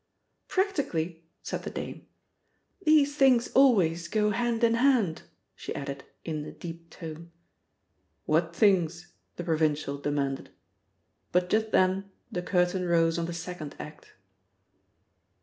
"Practically," said the dame. "These things always go hand in hand," she added in a deep tone. "What things?" the provincial demanded. But just then the curtain rose on the second act.